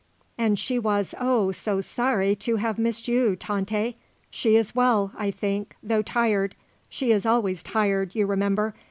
"And she was, oh, so sorry to have missed you, Tante. She is well, I think, though tired; she is always tired, you remember.